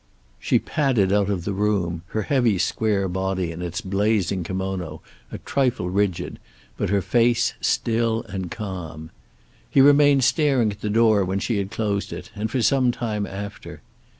She padded out of the room, her heavy square body in its blazing kimono a trifle rigid, but her face still and calm. He remained staring at the door when she had closed it, and for some time after.